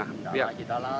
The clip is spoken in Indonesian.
gak ada singkawang